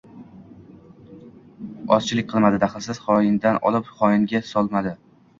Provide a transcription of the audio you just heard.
Ojizlik qilmadi. Dalilsiz xoyindan olib xoyinga solmadi.